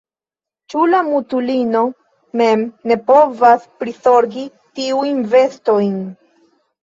Ĉu la mutulino mem ne povas prizorgi tiujn vestojn?